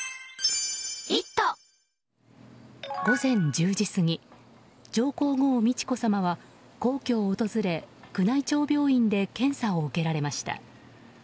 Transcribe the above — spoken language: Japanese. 午前１０時過ぎ上皇后・美智子さまは皇居を訪れ、宮内庁病院で検査を受けられました。